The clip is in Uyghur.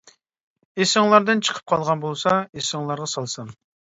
ئىسىڭلاردىن چىقىپ قالغان بولسا ئىسىڭلارغا سالسام.